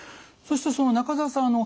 そしてその中澤さん